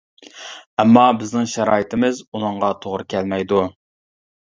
ئەمما بىزنىڭ شارائىتىمىز ئۇنىڭغا توغرا كەلمەيدۇ.